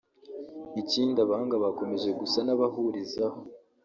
Ikindi abahanga bakomeje gusa n’abahurizaho